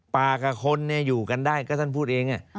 กับคนอยู่กันได้ก็ท่านพูดเอง